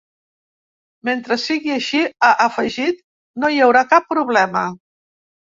Mentre sigui així, ha afegit, ‘no hi haurà cap problema’.